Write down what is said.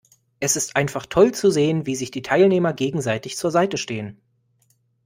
Es ist einfach toll zu sehen, wie sich die Teilnehmer gegenseitig zur Seite stehen.